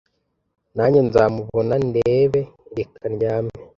nanjye nzamubona ndebe reka ndyame